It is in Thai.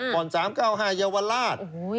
บ่อน๓๙๕เยาวราช